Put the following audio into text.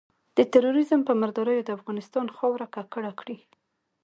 د ترورېزم په مرداریو د افغانستان خاوره ککړه کړي.